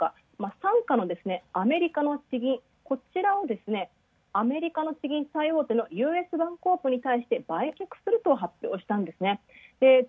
傘下のアメリカ、こちらをアメリカの市銀、最大手のＵＳバンクに売却すると発表したんですね。